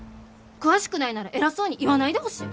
詳しくないなら偉そうに言わないでほしい。